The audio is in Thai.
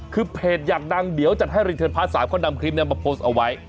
คือเพจอยากดังเดี๋ยวจัดให้รีเทิร์นพาร์ท๓เขานำคลิปนี้มาโพสต์เอาไว้